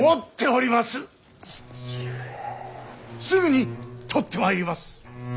すぐに取ってまいります。